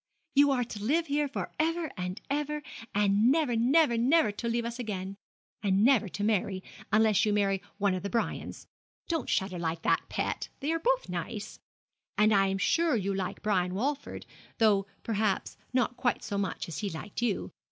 'You are to live here for ever and ever, and never, never, never to leave us again, and never to marry, unless you marry one of the Brians. Don't shudder like that, pet, they are both nice! And I'm sure you like Brian Walford, though, perhaps, not quite so much as he liked you.